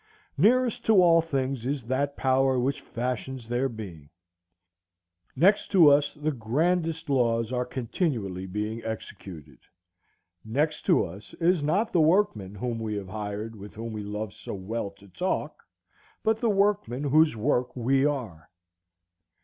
Nearest to all things is that power which fashions their being. Next to us the grandest laws are continually being executed. Next to us is not the workman whom we have hired, with whom we love so well to talk, but the workman whose work we are.